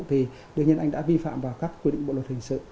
thì đương nhiên anh đã vi phạm vào các quy định bộ luật hình sự